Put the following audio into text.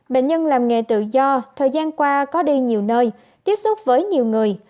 bệnh nhân làm nghề tự do thời gian qua có đi nhiều nơi tiếp xúc với nhiều người